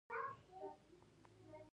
ښايي دغه څنډه پخوا موږ نه وه لیدلې.